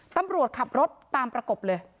ตำรวจขับรถตามประกบเลย